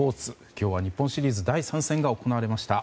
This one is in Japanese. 今日は日本シリーズ第３戦が行われました。